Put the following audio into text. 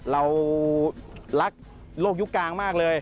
เรารักโลกยุคกลางมากเลย